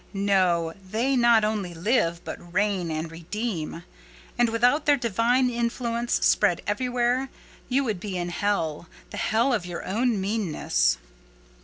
No; they not only live, but reign and redeem: and without their divine influence spread everywhere, you would be in hell—the hell of your own meanness.